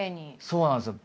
そうなんですよ。